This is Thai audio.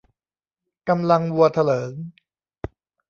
กำลังวัวเถลิง